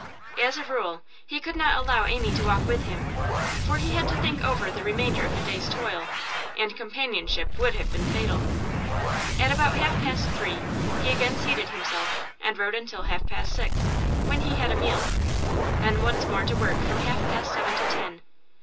As a rule he could not allow Amy to walk with him, for he had to think over the remainder of the day's toil, and companionship would have been fatal. At about half past three he again seated himself; and wrote until half past six, when he had a meal. Then once more to work from half past seven to ten.